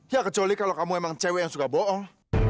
ya kecuali kalau kamu memang cewek yang suka bohong